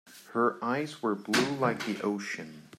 Her eyes were blue like the ocean.